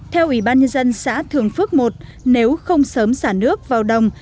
theo ủy ban nhân dân xã thường phước một nếu không sớm xả nước vào đồng